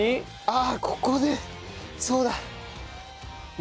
ああここでそうだ！